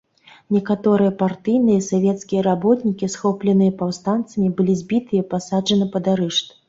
Некаторыя партыйныя і савецкія работнікі, схопленыя паўстанцамі, былі збітыя і пасаджаны пад арышт.